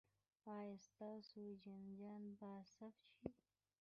ایا ستاسو جایداد به ثبت شي؟